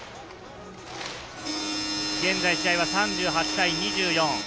現在、試合は３８対２４。